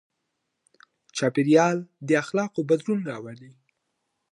چاپېريال د اخلاقو بدلون راولي.